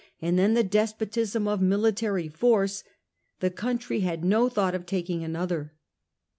and then the despotism of military force, the country had no thought of taking another.